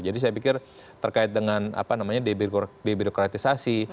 jadi saya pikir terkait dengan apa namanya debirokratisasi